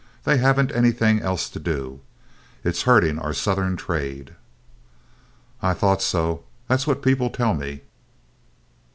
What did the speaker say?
They haven't anything else to do. It's hurting our Southern trade." "I thought so. That's what people tell me."